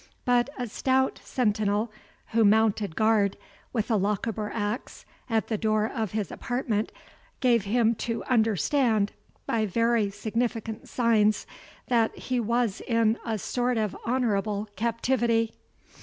But a stout sentinel, who mounted guard with a Lochaber axe at the door of his apartment, gave him to understand, by very significant signs, that he was in a sort of honourable captivity.